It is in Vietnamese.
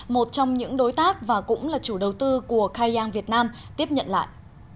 một trong những đối tác và cũng là chủ đầu tư của cai giang việt nam tiếp nhận lại